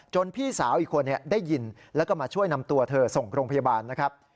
พี่สาวอีกคนได้ยินแล้วก็มาช่วยนำตัวเธอส่งโรงพยาบาลนะครับ